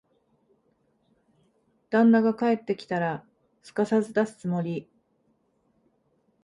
旦那が帰ってきたら、すかさず出すつもり。